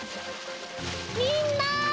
みんな！